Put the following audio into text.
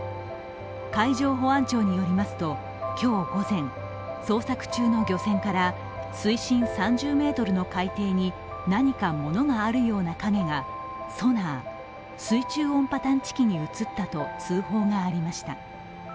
海上保安庁によりますと今日午前、捜索中の漁船から水深３０ｍの海底に何かものがあるような影がソナー＝水中音波探知機に映ったと通報がありました。